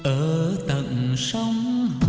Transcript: ở tận sông hùng